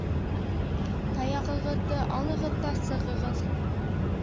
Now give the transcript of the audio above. Таяғығыҙҙы алығыҙ ҙа сығығыҙ.